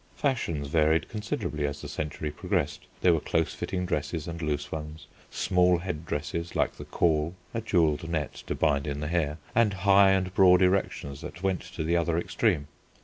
Fashions varied considerably as the century progressed. There were close fitting dresses and loose ones, small head dresses like the caul (a jewelled net to bind in the hair) and high and broad erections that went to the other extreme.